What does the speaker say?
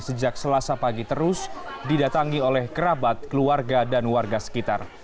sejak selasa pagi terus didatangi oleh kerabat keluarga dan warga sekitar